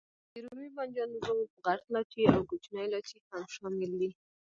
د رومي بانجانو روب، غټ لاچي او کوچنی لاچي هم شامل دي.